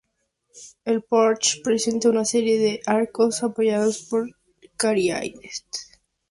El porche presenta una serie de arcos apoyados por cariátides.